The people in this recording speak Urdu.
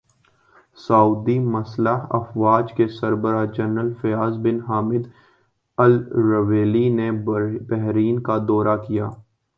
سعودی مسلح افواج کے سربراہ general Fayyad bin Hamid Alruwaili نے بحرین کا دورہ کیا